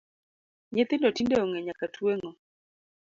Nyithindo tinde ong’e nyaka tueng’o